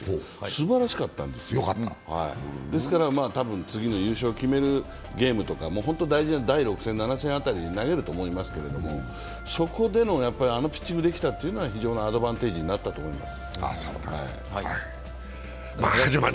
すばらしかったんです、ですから次のゲームとか大事な第６戦、７戦あたりで投げると思いますけどそこでのあのピッチングできたというのは非常なアドバンテージになったと思います。